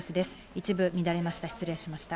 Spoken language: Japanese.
一部乱れました。